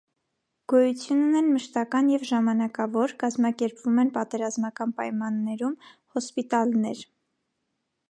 Գոյություն ունեն մշտական և ժամանակավոր (կազմակերպվում են պատերազմական պայմաններում) հոսպիտալներներ։